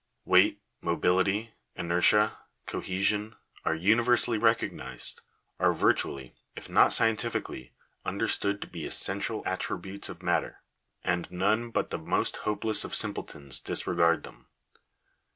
Weight, mobility, inertia, cohesion, are uni versally recognised — are virtually, if not scientifically, under stood to be essential attributes of matter; and none but the most hopeless of simpletons disregard them.